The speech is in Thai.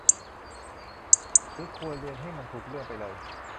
หรือควรเรียนให้มันถูกเรื่องไปเลย